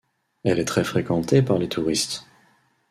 Elle est très fréquentée par les touristes.